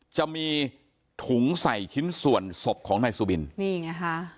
จะมีถุงใส่ชิ้นส่วนศพของนายสุบินนี่ไงฮะ